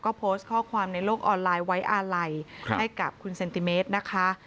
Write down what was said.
ก็โพสต์ข้อความในโลกออนไลน์ไว้อาลัยให้กับคุณเซนติเมตรนะคะ